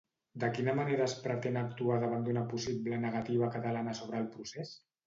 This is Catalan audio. De quina manera es pretén actuar davant d'una possible negativa catalana sobre el procés?